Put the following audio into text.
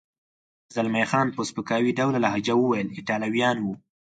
زلمی خان په سپکاوي ډوله لهجه وویل: ایټالویان و.